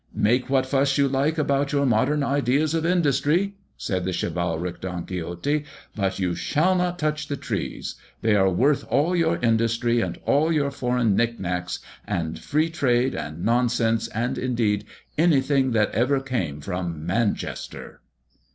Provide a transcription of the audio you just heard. "Make what fuss you like about your modern ideas of industry," said the chivalric Don Quixote, "but you shall not touch the trees; they are worth all your industry, and all your foreign nicknacks, and free trade and nonsense, and, indeed, anything that ever came from Manchester."